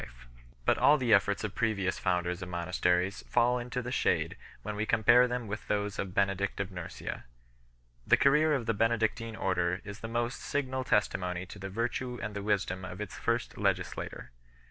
363 But all the efforts of previous founders of monasteries fall into the shade when we compare them with those of Benedict of Nursia. The career of the Benedictine Order is the most signal testimony to the virtue and the wisdom \ of its first legislator.